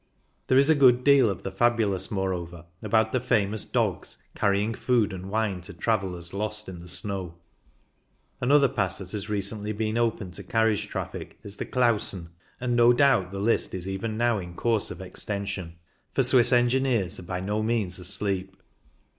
There is a good deal of the fabulous, moreover, about the famous dogs " carrying food and wine to travellers lost in the snow." Another Pass that has recently been opened to carriage traffic is the Klausen, and no doubt the list is even now in course of extension, for Swiss THE GRIMSEL 129 engineers are by no means asleep.